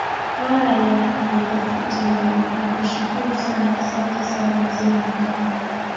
haya nitafute bwana nakushukuru sana asante sana mzee makamba